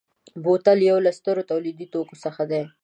بوتل یو له سترو تولیدي توکو څخه دی.